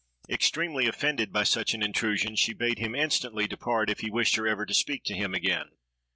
Extremely offended by such an intrusion, she bade him instantly depart, if he wished her ever to speak to him again.